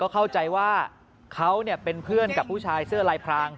เข้าใจว่าเขาเป็นเพื่อนกับผู้ชายเสื้อลายพราง